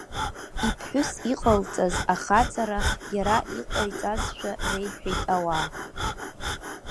Иԥҳәыс иҟалҵаз ахаҵара, иара иҟаиҵазшәа реиҳәеит ауаа.